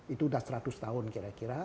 itu sudah seratus tahun kira kira